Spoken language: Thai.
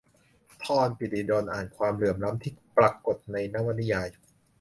ธร ปีติดล อ่านความเหลื่อมล้ำที่ปรากฏในนวนิยาย